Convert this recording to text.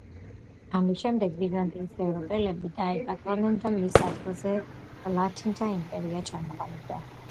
ამის შემდეგ ბიზანტიას ევროპელები დაეპატრონენ და მის ადგილზე ლათინთა იმპერია ჩამოყალიბდა.